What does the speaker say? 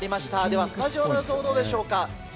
では、スタジオの予想はどうでしょうか。